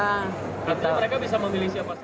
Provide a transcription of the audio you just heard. artinya mereka bisa memilih siapa saja